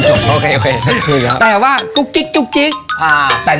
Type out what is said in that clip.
โอเค๑๘